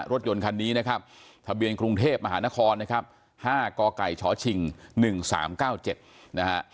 รถยนต์คันนี้นะครับทะเบียนกรุงเทพมหานครนะครับ๕กไก่ชชิง๑๓๙๗นะฮะ